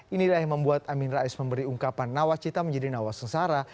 inilah yang membuat amin rais memberi ungkapan nawacita menjadi nawas sengsara